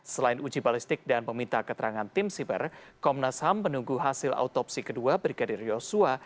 selain uji balistik dan meminta keterangan tim siber komnas ham menunggu hasil autopsi kedua brigadir yosua